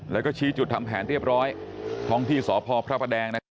แล้วก็ชี้จุดทำแผนเรียบร้อยท้องที่สพพระประแดงนะครับ